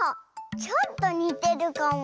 ちょっとにてるかも。